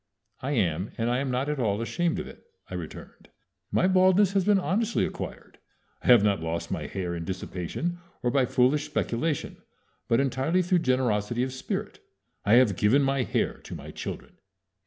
"I am, and I am not at all ashamed of it," I returned. "My baldness has been honestly acquired. I have not lost my hair in dissipation, or by foolish speculation, but entirely through generosity of spirit. _I have given my hair to my children.